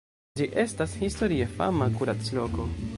Ĝi estas historie fama kuracloko.